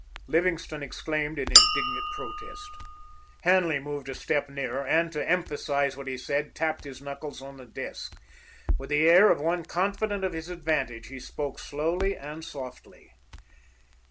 Livingstone exclaimed in indignant protest. Hanley moved a step nearer and, to emphasize what he said, tapped his knuckles on the desk. With the air of one confident of his advantage, he spoke slowly and softly.